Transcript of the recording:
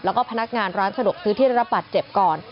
แล้วก็พนักงานร้านสะดวกซื้อที่ได้รับบัตรเจ็บก่อน